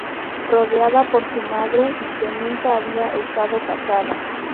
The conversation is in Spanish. Rodeada por su madre y que nunca había estado casada.